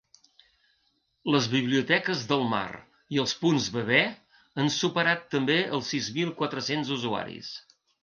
Les biblioteques del mar i els punts bebè han superat també els sis mil quatre-cents usuaris.